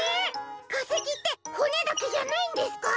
かせきってほねだけじゃないんですか？